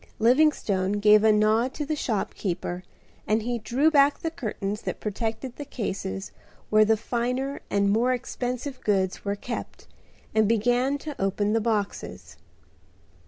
Livingstone gave a nod to the shopkeeper and he drew back the curtains that protected the cases where the finer and more expensive goods were kept and began to open the boxes.